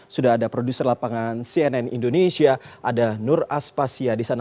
sudah ada produser lapangan cnn indonesia ada nur aspasya di sana